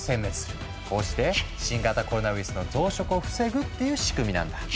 こうして新型コロナウイルスの増殖を防ぐっていう仕組みなんだ。